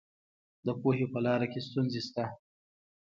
د پوهې په لاره کې ستونزې شته.